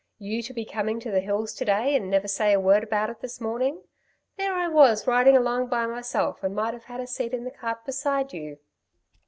"You to be coming up the hills to day and never say a word about it this morning. There I was, riding along by myself, and might have had a seat in the cart beside you."